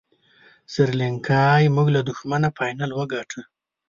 سریلانکا زموږ له دښمنه فاینل وګاټه.